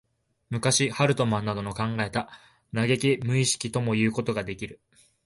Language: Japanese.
昔、ハルトマンなどの考えた如き無意識ともいうことができる。